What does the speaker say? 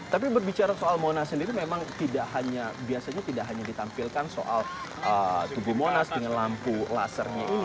tapi berbicara soal monas sendiri memang tidak hanya biasanya tidak hanya ditampilkan soal tugu monas dengan lampu lasernya ini